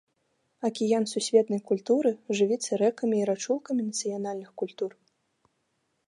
Акіян сусветнай культуры жывіцца рэкамі і рачулкамі нацыянальных культур.